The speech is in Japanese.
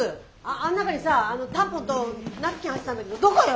あん中にさあのタンポンとナプキン入ってたんだけどどこよ！